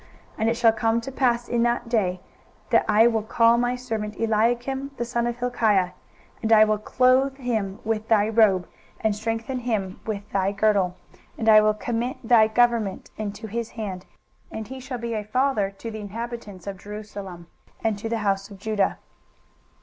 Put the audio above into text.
23:022:020 And it shall come to pass in that day, that I will call my servant Eliakim the son of Hilkiah: 23:022:021 And I will clothe him with thy robe, and strengthen him with thy girdle, and I will commit thy government into his hand: and he shall be a father to the inhabitants of Jerusalem, and to the house of Judah.